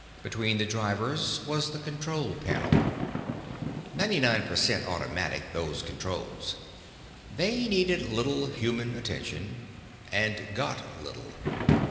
Between the drivers was the control panel. Ninety nine percent automatic, those controls. They needed little human attention, and got little.